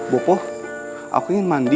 bopo aku ingin mandi